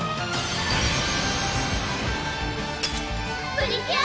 プリキュア！